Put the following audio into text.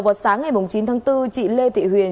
vào sáng ngày chín tháng bốn chị lê thị huyền